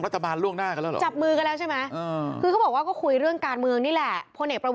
สภาพประกาศหรอ